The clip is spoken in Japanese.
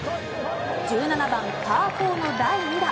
１７番、パー４の第２打。